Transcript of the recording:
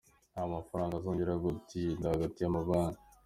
Nta mafaranga azongera gutinda hagati y’amabanki